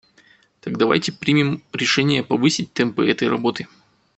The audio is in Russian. Так давайте примем решение повысить темпы этой работы.